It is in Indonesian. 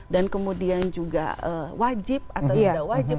dan kemudian juga wajib atau tidak wajib